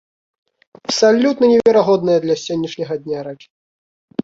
Абсалютна неверагодная для сённяшняга дня рэч.